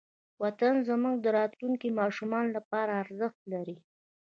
وطن زموږ د راتلونکې ماشومانو لپاره ارزښت لري.